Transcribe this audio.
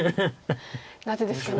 なぜですかね。